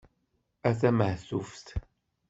A tamehtuft!